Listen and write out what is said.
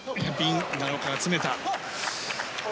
奈良岡が詰めた。